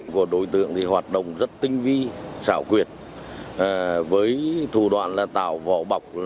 của đối tượng thì hoạt động rất tinh vi xảo quyệt với thủ đoạn là tạo vỏ bọc